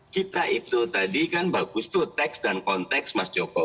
kita itu tadi kan bagus tuh teks dan konteks mas joko